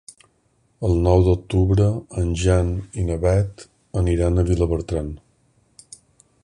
El nou d'octubre en Jan i na Beth aniran a Vilabertran.